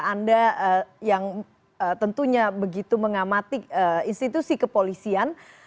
anda yang tentunya begitu mengamati institusi kepolisian